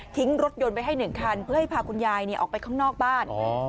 ทิ้งรถยนต์ไปให้หนึ่งคันเพื่อให้พาคุณยายเนี่ยออกไปข้างนอกบ้าน